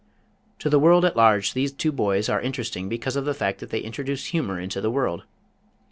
To the world at large these two boys are interesting because of the fact that they introduced humor into the world.